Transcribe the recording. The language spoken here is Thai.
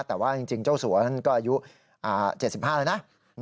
แต่ว่าจริงเจ้าสัวท่านก็อายุ๗๕แล้วนะ